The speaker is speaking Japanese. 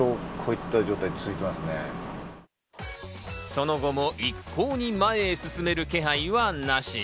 その後も一向に前へ進める気配はなし。